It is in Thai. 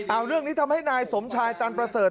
เอาเรื่องนี้ทำให้นายสมชายตันประเสริฐ